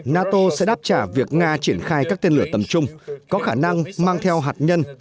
nato sẽ đáp trả việc nga triển khai các tên lửa tầm trung có khả năng mang theo hạt nhân